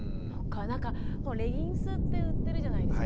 レギンスって売ってるじゃないですか。